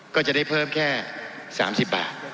ก็จะได้เพิ่มแค่๓๐บาท